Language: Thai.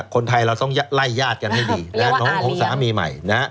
คนไทยเราต้องไล่ญาติกันให้ดีน้องของสามีใหม่